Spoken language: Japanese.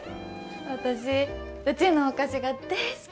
私うちのお菓子が大好き。